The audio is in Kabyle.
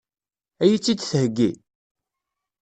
Ad iyi-tt-id-theggi?